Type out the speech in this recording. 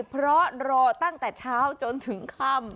เพราะรอตั้งแต่เช้าจนถึงค่ำ